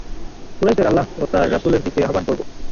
কুরাইশদের আল্লাহ ও তাঁর রাসূলের দিকে আহবান করব।